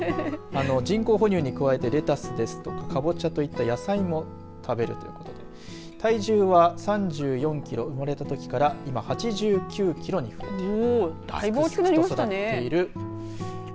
人工哺乳に加えてレタスですとかカボチャといった野菜も食べるということで体重は３４キロ生まれたときから今８９キロに増えている。